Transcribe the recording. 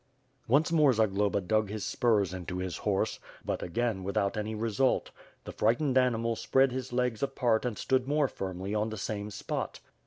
Once more Zagloba dug his spurs into his horse, but again without any result. The frightened animal spread his legs apart and stood more firmly on the same spot.